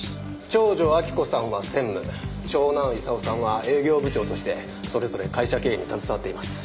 長女明子さんは専務長男功さんは営業部長としてそれぞれ会社経営に携わっています。